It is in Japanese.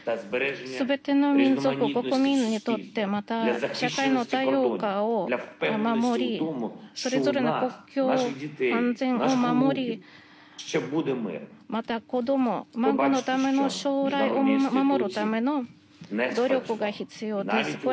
全ての民族、国民にとってまた、社会の多様化を守りそれぞれの国境、安全を守りまた、子供、孫のための将来を守るための努力が必要です。